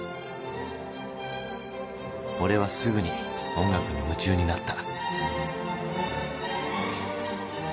［俺はすぐに音楽に夢中になった］